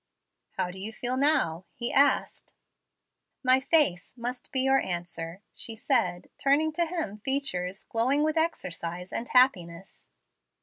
"How do you feel now?" he asked. "My face must be your answer," she said, turning to him features glowing with exercise and happiness.